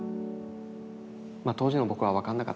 まあ当時の僕は分かんなかったでしょうけど。